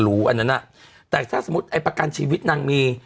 อันนั้นน่ะแต่ถ้าสมมุติไอ้ประกันชีวิตนางมี